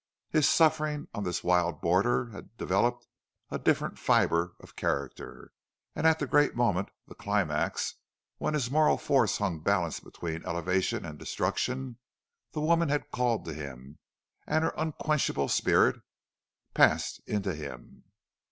His suffering on this wild border had developed a different fiber of character; and at the great moment, the climax, when his moral force hung balanced between elevation and destruction, the woman had called to him, and her unquenchable spirit passed into him.